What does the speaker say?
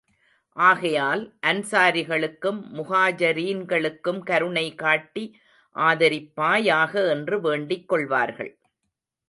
ஆகையால், அன்சாரிகளுக்கும், முஹாஜரீன்களுக்கும் கருணை காட்டி ஆதரிப்பாயாக! என்று வேண்டிக் கொள்வார்கள்.